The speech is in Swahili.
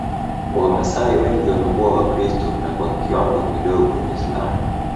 Wamasai wengi wamekuwa Wakristo na kwa kiwango kidogo Waislamu